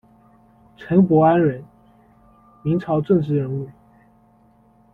陈伯安人，明朝政治人物。